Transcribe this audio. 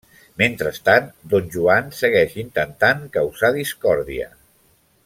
Mentrestant, Don Joan segueix intentant causar discòrdia.